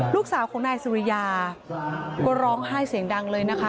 ลูกสาวของนายสุริยาก็ร้องไห้เสียงดังเลยนะคะ